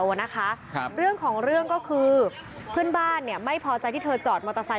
โอ้ยไม่ต้องแฉกูไม่ใช่คนดี